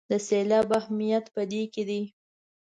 د سېلاب اهمیت په دې کې دی.